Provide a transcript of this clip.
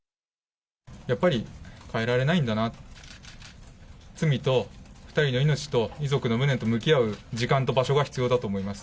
やっぱり、変えられないんだな、罪と、２人の命と、遺族の無念と向き合う時間と場所が必要だと思います。